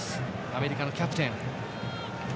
アメリカのキャプテン。